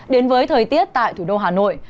đến với thời tiết tại thủ đô hà nội